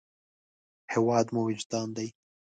هېواد مو وجدان دی